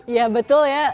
ya betul ya